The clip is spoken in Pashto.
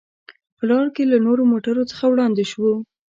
په لار کې له نورو موټرو څخه وړاندې شوو.